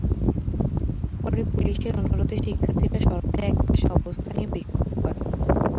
পরে পুলিশের অনুরোধে শিক্ষার্থীরা সড়কের একপাশে অবস্থান নিয়ে বিক্ষোভ করে।